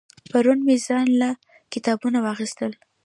پرون مې ځان له کتابونه واغستل